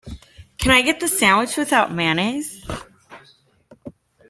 Can I get the sandwich without mayonnaise?